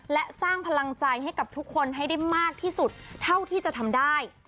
และสร้างพลังใจให้กับทุกคนให้ได้มากที่สุดเท่าที่จะทำได้